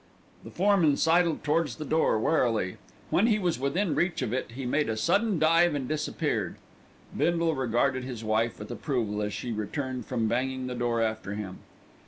The foreman sidled towards the door warily, When he was within reach of it he made a sudden dive and disappeared. Bindle regarded his wife with approval as she returned from banging the door after him.